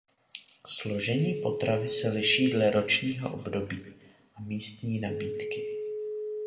Složení potravy se liší dle ročního období a místní nabídky.